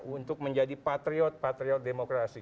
untuk menjadi patriot patriot demokrasi